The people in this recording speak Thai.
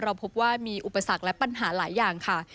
เราพบว่ามีอุปสรรคและปัญหาหลายอย่างค่ะ